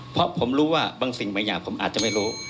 เพราะผมรู้ว่าบางสิ่งบางอย่างผมอาจจะไม่รู้